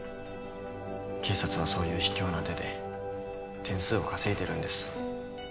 警察はそういう卑怯な手で点数を稼いでるんです